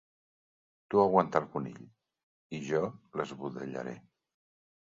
Tu aguanta el conill, i jo l'esbudellaré.